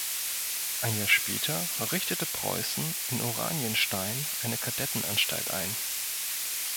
Ein Jahr später richtete Preußen in Oranienstein eine Kadettenanstalt ein.